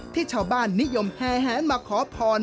ที่ชาวบ้านนิยมแห่แหนมาขอพร